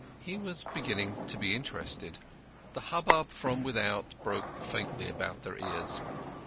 He was beginning to be interested. The hubbub from without broke faintly upon their ears.